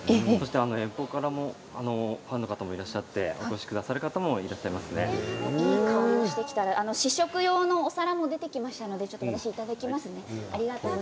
遠方からのファンの方もいらっしゃって試食用のお皿も出てきましたので、いただきますね。